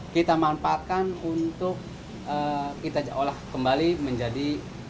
kita manfaatkan untuk kita olah kembali menjadi